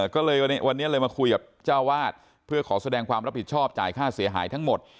ก็เลยวันนี้เลยมาคุยกับเจ้าวาดเพื่อขอแสดงความรับผิดชอบจ่ายค่าเสียหายทั้งหมด